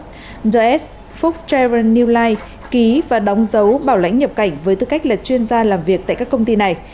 the s phúc trevor newline ký và đóng dấu bảo lãnh nhập cảnh với tư cách là chuyên gia làm việc tại các công ty này